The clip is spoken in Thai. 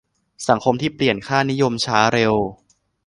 สังคมที่เปลี่ยนค่านิยมช้าเร็ว